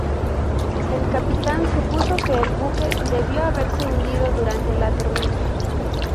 El capitán supuso que el buque debió haberse hundido durante la tormenta.